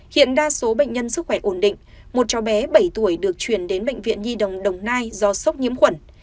hiện đa số bệnh nhân sức khỏe ổn định một cháu bé bảy tuổi được chuyển đến bệnh viện nhi đồng đồng nai do sốc nhiễm khuẩn